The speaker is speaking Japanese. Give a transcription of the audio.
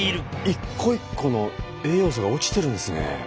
一個一個の栄養素が落ちてるんですね。